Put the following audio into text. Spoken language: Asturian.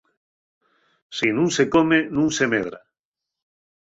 Si nun se come, nun se medra.